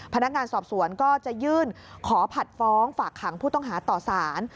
พนักงานสอบสวนก็จะยื่นขอผัดฟ้องฝากขังผู้ต้องหาต่อสาร